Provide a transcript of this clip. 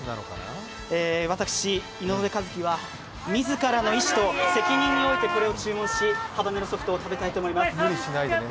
私、井上和樹は自らの意思と責任においてこれを注文し、ハバネロソフトを食べたいと思います。